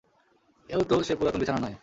এও তো সে পুরাতন বিছানা নহে।